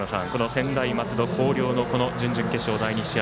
専大松戸、広陵の準々決勝第２試合